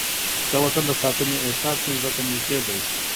د وطن د ساتنې احساس مې زړه ته نږدې دی.